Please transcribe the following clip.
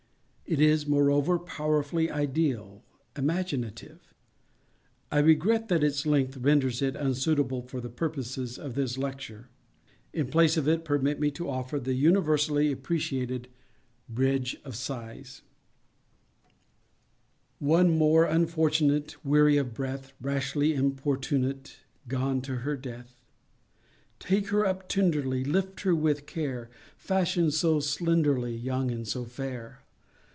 It is, moreover, powerfully ideal—imaginative. I regret that its length renders it unsuitable for the purposes of this lecture. In place of it permit me to offer the universally appreciated "Bridge of Sighs":— One more Unfortunate, Weary of breath, Rashly importunate Gone to her death! Take her up tenderly, Lift her with care;— Fashion'd so slenderly, Young and so fair!